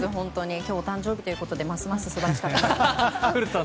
今日お誕生日ということでますます素晴らしかったです。